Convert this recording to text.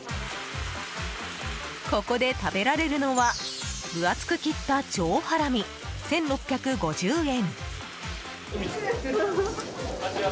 ここで食べられるのは分厚く切った上ハラミ１６５０円。